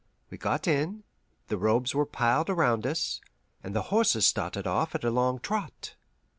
We got in, the robes were piled around us, and the horses started off at a long trot.